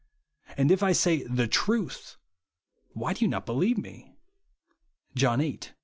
.. And if I say the truth, why do ye not be lieve TneV (John viii.